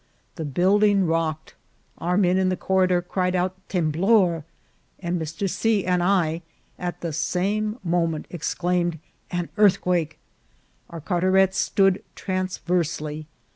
The building rocked, our men in the corridor cried out " temblor," and Mr. C. and I at the same moment ex claimed " an earthquake !" Our cartarets stood trans versely.